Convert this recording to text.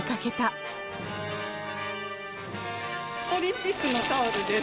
オリンピックのタオルです。